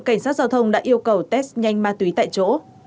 cảnh sát giao thông đã yêu cầu test nhanh ma túy tại chỗ